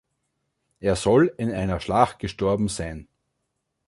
Er soll in einer Schlacht gestorben sein.